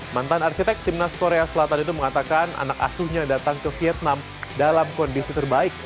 mantan arsitek timnas korea selatan itu mengatakan anak asuhnya datang ke vietnam dalam kondisi terbaik